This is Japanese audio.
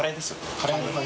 カレーの話！